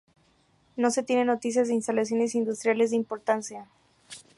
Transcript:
No se tienen noticias de instalaciones industriales de importancia.